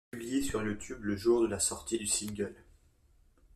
Il est publié sur YouTube le jour de la sortie du single.